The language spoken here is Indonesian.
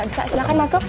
bisa silahkan masuk